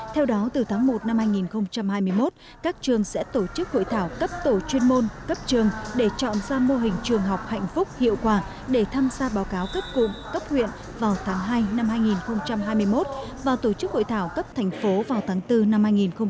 theo đó từ tháng một năm hai nghìn hai mươi một các trường sẽ tổ chức hội thảo cấp tổ chuyên môn cấp trường để chọn ra mô hình trường học hạnh phúc hiệu quả để tham gia báo cáo cấp cụm cấp huyện vào tháng hai năm hai nghìn hai mươi một và tổ chức hội thảo cấp thành phố vào tháng bốn năm hai nghìn hai mươi